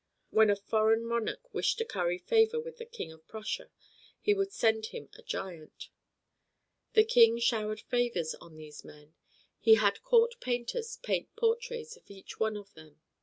When a foreign monarch wished to curry favor with the King of Prussia he would send him a giant. The King showered favors on these men. He had court painters paint portraits of each one of them.